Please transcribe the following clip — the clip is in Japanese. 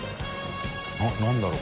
あっ何だろう？